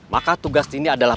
maka tugas dini adalah